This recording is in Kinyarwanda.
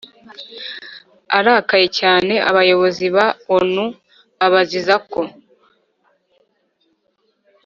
arakaye cyane abayobozi ba onu abaziza ko